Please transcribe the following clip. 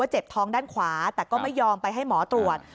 เจ็บท้องด้านขวาแต่ก็ไม่ยอมไปให้หมอตรวจ